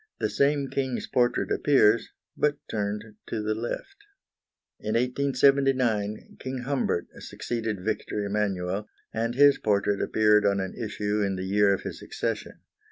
The same king's portrait appears, but turned to the left. In 1879 King Humbert succeeded Victor Emmanuel, and his portrait appeared on an issue in the year of his accession.